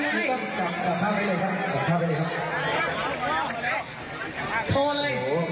โอ้โหอย่างงี้ไม่น่าทดนะครับผม